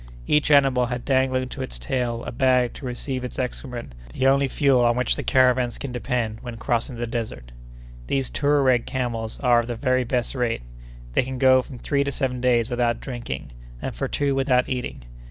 Each animal had dangling to its tail a bag to receive its excrement, the only fuel on which the caravans can depend when crossing the desert. These Touareg camels are of the very best race. They can go from three to seven days without drinking, and for two without eating.